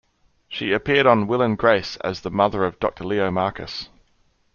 She appeared on "Will and Grace" as the mother of Dr. Leo Markus.